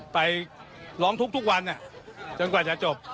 ไปร้องทุกวันจนกว่าจะจบ